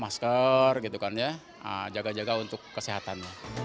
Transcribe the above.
masker gitu kan ya jaga jaga untuk kesehatan